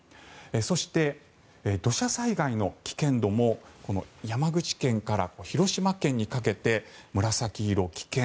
そして、土砂災害の危険度も山口県から広島県にかけて紫色、危険。